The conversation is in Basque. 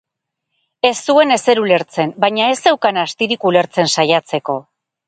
Ez zuen ezer ulertzen, baina ez zeukan astirik ulertzen saiatzeko.